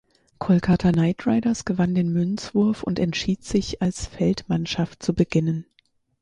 Kolkata Knight Riders gewann den Münzwurf und entschied sich als Feldmannschaft zu beginnen.